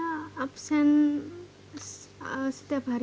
cynthia berarti sekarang ini kegiatannya pakai c ya kalau belajar